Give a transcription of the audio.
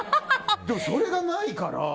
でも、それがないから。